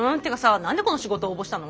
何でこの仕事応募したの？